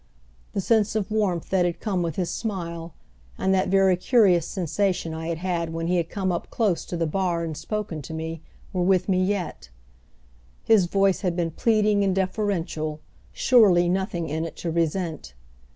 The sense of warmth that had come with his smile, and that very curious sensation I had had when he had come up close to the bar and spoken to me, were with me yet. His voice had been pleading and deferential, surely nothing in it to resent.